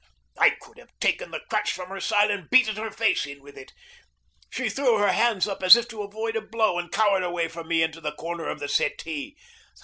I could have taken the crutch from her side and beaten her face in with it. She threw her hands up, as if to avoid a blow, and cowered away from me into the corner of the settee.